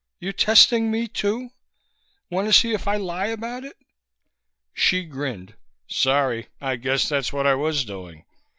You testing me, too? Want to see if I'll lie about it?" Hsi grinned. "Sorry. I guess that's what I was doing.